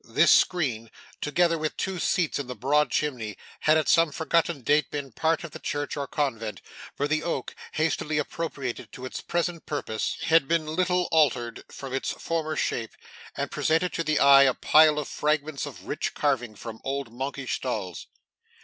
This screen, together with two seats in the broad chimney, had at some forgotten date been part of the church or convent; for the oak, hastily appropriated to its present purpose, had been little altered from its former shape, and presented to the eye a pile of fragments of rich carving from old monkish stalls.